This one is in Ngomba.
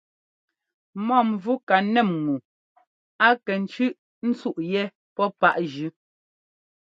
Mɔ́mvú ka nɛ́m ŋu a kɛ tsʉ́ꞌ ńtsúꞌ yɛ́ pɔ́ páꞌ jʉ́.